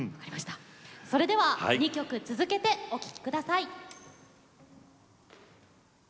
それでは２曲続けてお聴きください。